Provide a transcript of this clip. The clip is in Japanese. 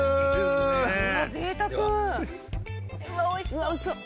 うわおいしそう。